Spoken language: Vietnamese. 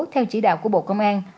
theo chỉ đạo của bộ công an